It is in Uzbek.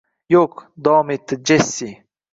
Yo`q, davom etdi Jessi